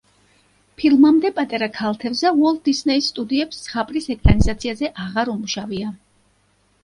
ფილმამდე „პატარა ქალთევზა“ უოლტ დისნეის სტუდიებს ზღაპრის ეკრანიზაციაზე აღარ უმუშავია.